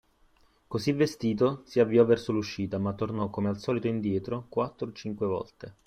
Così vestito, si avviò verso l’uscita, ma tornò, come al solito, indietro quattro o cinque volte